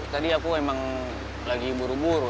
tadi aku emang lagi buru buru